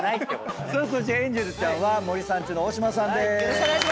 そしてエンジェルちゃんは森三中の大島さんでーす。